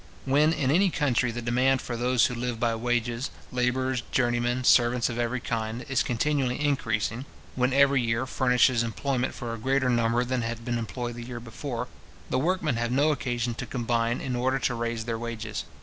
When in any country the demand for those who live by wages, labourers, journeymen, servants of every kind, is continually increasing; when every year furnishes employment for a greater number than had been employed the year before, the workmen have no occasion to combine in order to raise their wages.